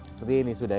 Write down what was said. seperti ini sudah ya